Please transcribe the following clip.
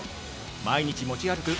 毎日持ち歩く